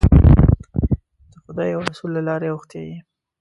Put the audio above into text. د خدای او رسول له لارې اوښتی یې.